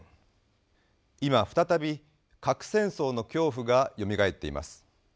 今再び核戦争の恐怖がよみがえっています。